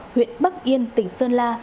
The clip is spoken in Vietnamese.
huyện bắc yên tỉnh sơn la